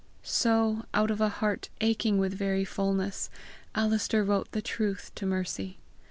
So, out of a heart aching with very fullness, Alister wrote the truth to Mercy.